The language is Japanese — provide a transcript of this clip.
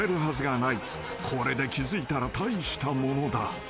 ［これで気付いたら大したものだ］